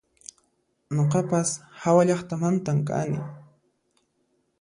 Nuqapas hawallaqtamantan kani